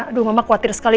aduh mama khawatir sekali